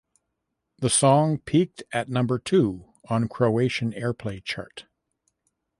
The song peaked at number two on Croatian Airplay Chart.